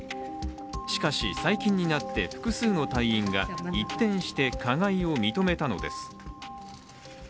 しかし最近になって複数の隊員が一転して加害を認めたのです。